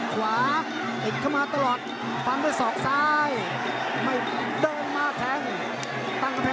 กาวเด่นครับตั้งนับครับ